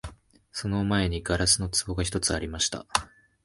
その前に硝子の壺が一つありました